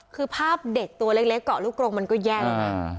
คือภาพเด็กตัวเล็กเกาะลูกกรงมันก็แย่แล้วนะ